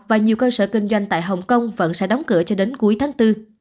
và nhiều cơ sở kinh doanh tại hồng kông vẫn sẽ đóng cửa cho đến cuối tháng bốn